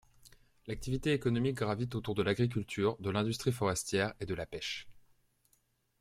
L'activité économique gravite autour de l'agriculture, de l'industrie forestière et de la pêche.